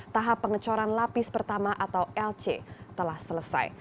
tahap pengecoran lapis pertama atau lc telah selesai